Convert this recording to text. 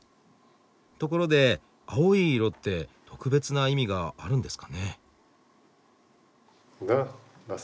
ところで青い色って特別な意味があるんですかね？